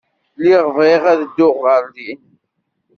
Lliɣ bɣiɣ ad dduɣ ɣer din.